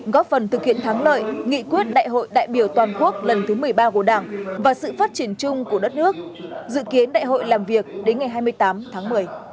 góp phần thực hiện thắng lợi nghị quyết đại hội đại biểu toàn quốc lần thứ một mươi ba của đảng và sự phát triển chung của đất nước dự kiến đại hội làm việc đến ngày hai mươi tám tháng một mươi